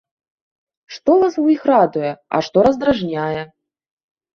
Што вас у іх радуе, а што раздражняе?